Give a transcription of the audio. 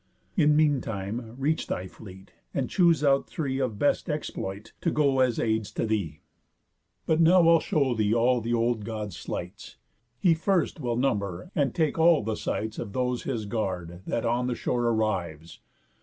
In mean time, reach thy fleet, and choose out three Of best exploit, to go as aids to thee. But now I'll show thee all the old God's sleights: He first will number, and take all the sights Of those his guard, that on the shore arrives.